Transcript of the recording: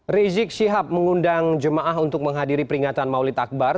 rizik syihab mengundang jemaah untuk menghadiri peringatan maulid akbar